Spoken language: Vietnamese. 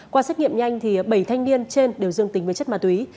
qua xét nghiệm nhanh bảy thanh niên trên đều dương tính với chất ma túy